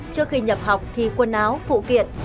trước khi nhập học thì quần áo phụ kiện